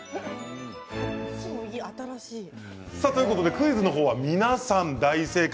クイズの方は皆さん大正解。